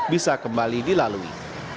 bisa kembali dilalui